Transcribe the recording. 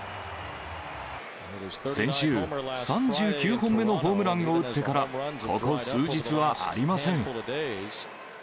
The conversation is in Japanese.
先週、３９本目のホームランを打ってから、ここ数日はありません。